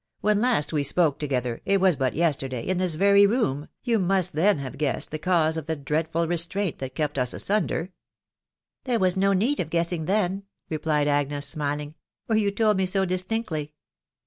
when last we spoke together, it was baft yes terday, in this very room, you must then have guessed the cause of the dreadful restraint that kept us asunder. " There was no need of guessing then/' replied Agnes smiling, " for you told me so distinctly."